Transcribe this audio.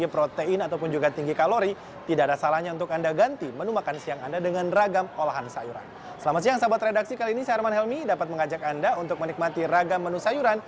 beberapa pengunjung yang datang mengaku tidak begitu sering mengkonsumsi sayur